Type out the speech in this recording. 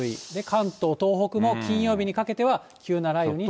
関東、東北も金曜日にかけては、急な雷雨に。